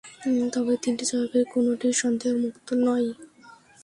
তবে তিনটি জবাবের কোনটিই সন্দেহমুক্ত নয়।